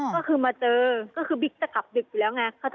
ก็คือมาเจอก็คือบิ๊กจะกลับดึกอยู่แล้วไง